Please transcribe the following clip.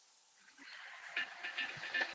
对此毛未作批复。